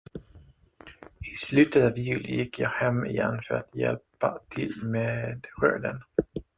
I slutet av juli gick jag hem igen för att hjälpa till med skörden.